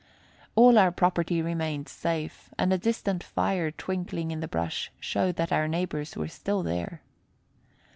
All our property remained safe, and a distant fire twinkling in the brush showed that our neighbors were still there.